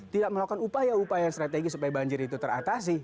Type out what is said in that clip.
tidak melakukan upaya upaya strategi supaya banjir itu teratasi